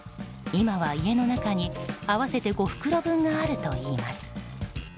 今は家の中に合わせて５袋分があるといいます。